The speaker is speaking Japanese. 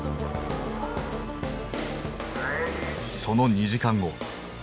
その２時間後。